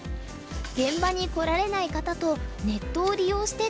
現場に来られない方とネットを利用して対局。